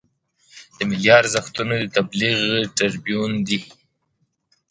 د ملي ارزښتونو د تبلیغ تربیون دی.